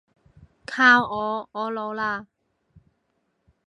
靠我，我老喇